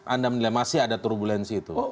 anda menilai masih ada turbulensi itu